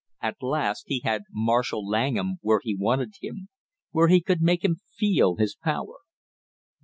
At last he had Marshall Langham where he wanted him, where he could make him feel his power.